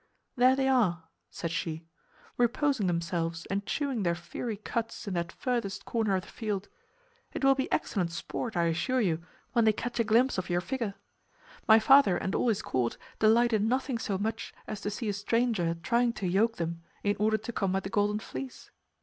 "There they are," said she, "reposing themselves and chewing their fiery cuds in that furthest corner of the field. It will be excellent sport, I assure you, when they catch a glimpse of your figure. My father and all his court delight in nothing so much as to see a stranger trying to yoke them in order to come at the Golden Fleece.